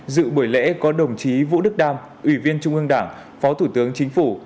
dự buổi lễ có đồng chí vũ đức đam ủy viên trung ương đảng phó thủ tướng chính phủ